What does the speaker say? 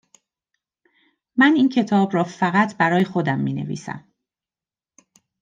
من این کتاب را فقط برای خودم می نویسم